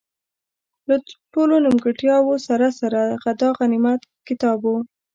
له ټولو نیمګړتیاوو سره سره، دا غنیمت کتاب وو.